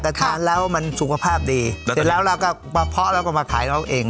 แต่ทานแล้วมันสุขภาพดีเสร็จแล้วเราก็มาเพาะแล้วก็มาขายเราเอง